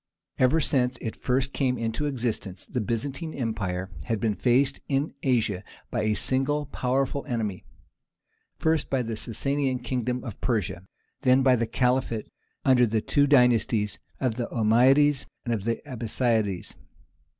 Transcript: Ever since it first came into existence the Byzantine Empire had been faced in Asia by a single powerful enemy; first by the Sassanian kingdom of Persia, then by the Caliphate under the two dynasties of the Ommeyades and the Abbasides.